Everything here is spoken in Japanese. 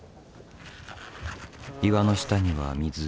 岩の下には水。